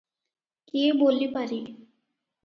କିଏ ବୋଲିପାରେ?